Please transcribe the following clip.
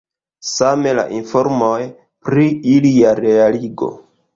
Same la informoj pri ilia realigo.